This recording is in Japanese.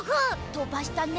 とばしたね！